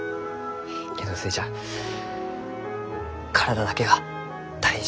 けんど寿恵ちゃん体だけは大事に。